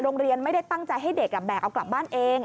โรงเรียนไม่ได้ตั้งใจให้เด็กแบกเอากลับบ้านเอง